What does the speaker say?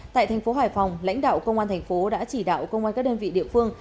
tại thành phố hải phòng lãnh đạo công an thành phố đã chỉ đạo công an các đơn vị địa phương